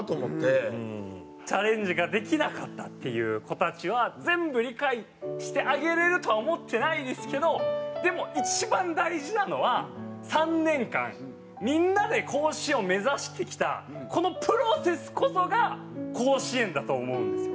チャレンジができなかったっていう子たちは全部理解してあげれるとは思ってないですけどでも一番大事なのは３年間みんなで甲子園を目指してきたこのプロセスこそが甲子園だと思うんですよ。